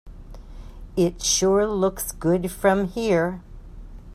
It sure looks good from here.